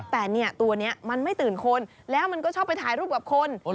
แต่เนี่ยตัวนี้มันไม่ตื่นคนแล้วมันก็ชอบไปถ่ายรูปกับคน